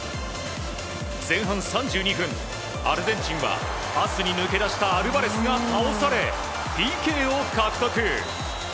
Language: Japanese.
前半３２分アルゼンチンはパスに抜け出したアルバレスが倒されＰＫを獲得。